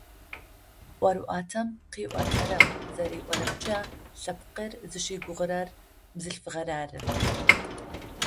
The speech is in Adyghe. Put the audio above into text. Ӏорыӏуатэм къыӏуатэрэм зэриӏорэмкӏэ, лъэпкъыр зыщыгугъурэр бзылъфыгъэр ары.